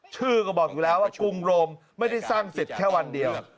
ชื่อก็บอกอยู่แล้วว่ากรุงโรมไม่ได้สร้างเสร็จแค่วันเดียว